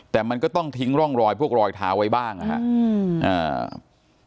แต่มันก็ต้องทิ้งร่องรอยพวกรอยเท้าไว้บ้างนะครับ